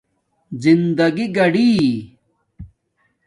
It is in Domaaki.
زندگݵ گاڑھی